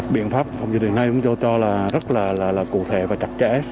biện pháp phòng dự định này cũng cho cho là rất là cụ thể và chặt chẽ